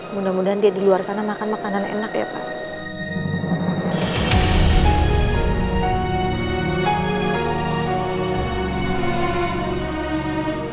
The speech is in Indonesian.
mudah mudahan dia di luar sana makan makanan enak ya pak